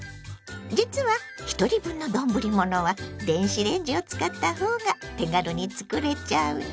実はひとり分の丼ものは電子レンジを使ったほうが手軽に作れちゃうの。